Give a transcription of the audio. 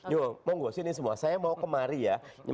yuk mau gue sini semua saya mau kemari ya